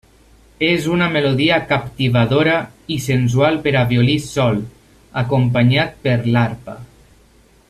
És una melodia captivadora i sensual per a violí sol, acompanyat per l'arpa.